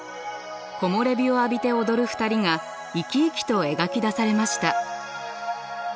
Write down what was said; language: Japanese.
木漏れ日を浴びて踊る２人が生き生きと描き出されました。